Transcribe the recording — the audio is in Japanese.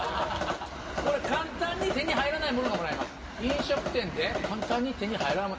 これ簡単に手に入らないものがもらえます。